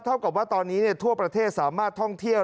เท่ากับว่าตอนนี้ทั่วประเทศสามารถท่องเที่ยว